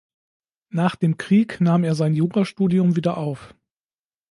Nach dem Krieg nahm er sein Jurastudium wieder auf.